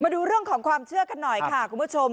ดูเรื่องของความเชื่อกันหน่อยค่ะคุณผู้ชม